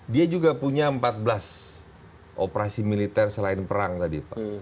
dia juga punya empat belas operasi militer selain perang tadi pak